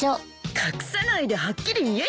隠さないではっきり言えよ。